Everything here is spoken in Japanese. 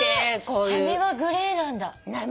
羽はグレーなんだ。